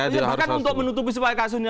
bukan untuk menutupi supaya kasus ini